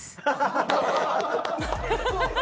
ハハハハ！